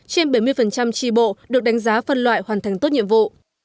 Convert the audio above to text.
trên bảy mươi tri bộ được đánh giá phân loại hoàn thành tốt nhiệm vụ